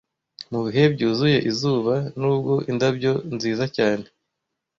Mubihe byuzuye izuba, nubwo indabyo nziza cyane,